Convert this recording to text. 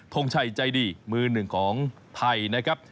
ทงชัยใจดีมือหนึ่งของไทยนะครับ